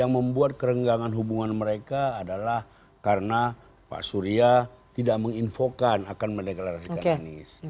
yang membuat kerenggangan hubungan mereka adalah karena pak surya tidak menginfokan akan mendeklarasikan anies